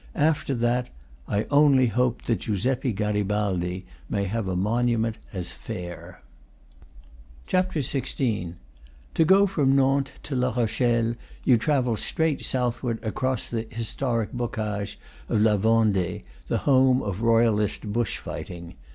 After that, I only hope that Giuseppe Garibaldi may have a monument as fair. XVI. To go from Nantes to La Rochelle you travel straight southward, across the historic bocage of La Vendee, the home of royalist bush fighting.